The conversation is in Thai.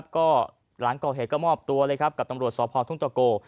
ก็หลังก่อเหตุก็มอบตัวเลยครับกับตำรวจสพทุ่งตะโก